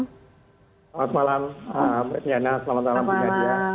selamat malam pertiana selamat malam bu nadia